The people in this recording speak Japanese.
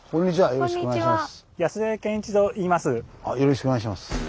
よろしくお願いします。